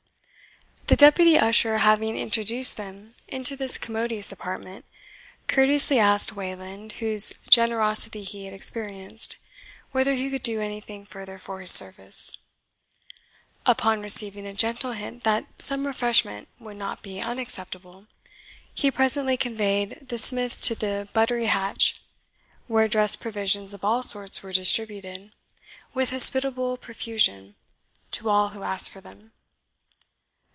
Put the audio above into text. The deputy usher having introduced them into this commodious apartment, courteously asked Wayland, whose generosity he had experienced, whether he could do anything further for his service. Upon receiving a gentle hint that some refreshment would not be unacceptable, he presently conveyed the smith to the buttery hatch, where dressed provisions of all sorts were distributed, with hospitable profusion, to all who asked for them.